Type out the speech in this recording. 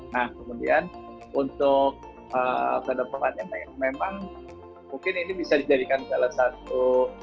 nah kemudian untuk kedepannya memang mungkin ini bisa dijadikan salah satu